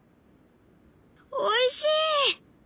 おいしい！